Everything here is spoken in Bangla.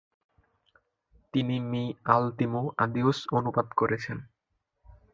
তিনি মি আলতিমো আদিওস অনুবাদ করেছেন।